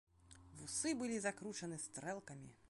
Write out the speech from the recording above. Вусы былі закручаны стрэлкамі.